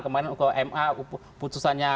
kemarin ke ma putusannya